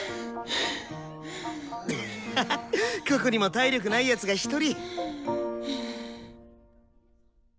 ハハここにも体力ない奴が１人。